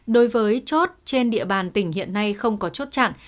đối với chốt trên địa bàn tỉnh hiện nay không có chốt chặn